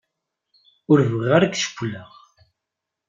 Ur bɣiɣ ara ad k-cewwleɣ.